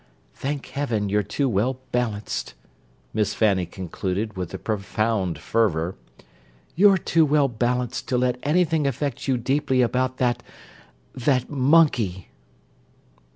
Thank heaven you're too well balanced," Miss Fanny concluded, with a profound fervour, "you're too well balanced to let anything affect you deeply about that—that monkey!"